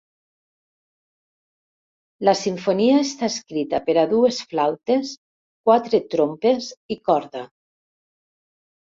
La simfonia està escrita per a dues flautes, quatre trompes i corda.